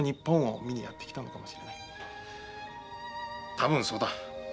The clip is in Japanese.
多分そうだ。